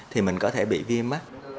thì mình có thể bị viêm mắt